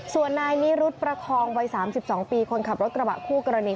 ส่วนนายนิรุธประคองวัย๓๒ปีคนขับรถกระบะคู่กรณี